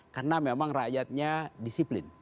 karena memang rakyatnya disiplin